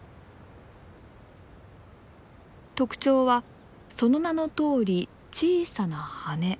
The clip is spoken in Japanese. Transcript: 特徴はその名のとおり小さな羽。